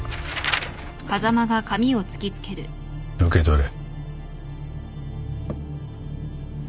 受け取れ。